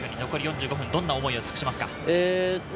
残り４５分、どんな思いを託しますか？